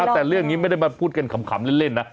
แต่เรื่องนี้ไม่ได้มาพูดกันขำเล่นนะ